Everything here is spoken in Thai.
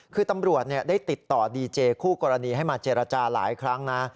คือตำรวจได้ติดต่อดีเจคู่กรณีให้มาเจรจาหลายครั้งนะ